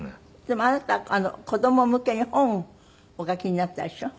でもあなた子供向けに本お書きになったでしょ？